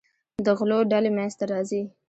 د غلو ډلې منځته راځي.